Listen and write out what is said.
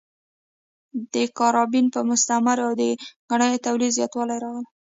د کارابین په مستعمرو کې د ګنیو تولید زیاتوالی راغی.